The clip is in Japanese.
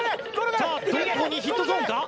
さあどこにヒットゾーンか？